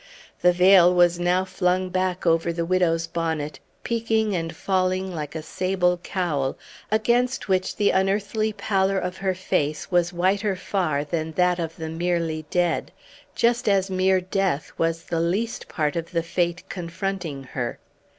The veil was now flung back over the widow's bonnet, peaking and falling like a sable cowl, against which the unearthly pallor of her face was whiter far then that of the merely dead, just as mere death was the least part of the fate confronting her.